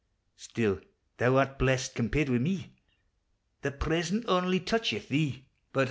Still thou art blest, compared wi' me! The present only toucheth thee :* Hoar frost.